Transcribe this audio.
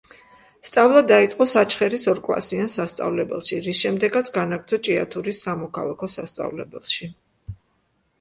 სწავლა დაიწყო საჩხერის ორკლასიან სასწავლებელში, რის შემდეგაც განაგრძო ჭიათურის სამოქალაქო სასწავლებელში.